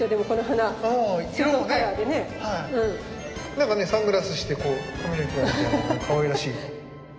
なんかねサングラスしてこう髪の毛がかわいらしい。